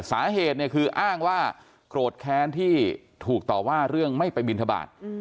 สาเหตุเนี่ยคืออ้างว่าโกรธแค้นที่ถูกต่อว่าเรื่องไม่ไปบินทบาท